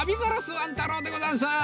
ワン太郎でござんす！